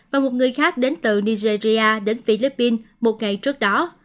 và một người khác đến từ nigeria đến philippines một ngày trước đó